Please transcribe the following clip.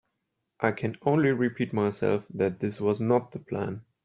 I can only repeat myself that this was not the plan.